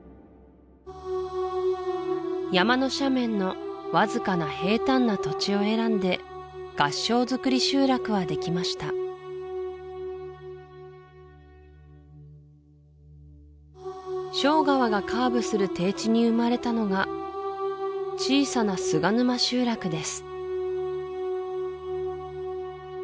山の斜面のわずかな平たんな土地を選んで合掌造り集落はできました庄川がカーブする低地に生まれたのが小さな菅沼集落です